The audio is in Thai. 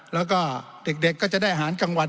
แล้วก็เด็กก็จะได้อาหารกลางวัน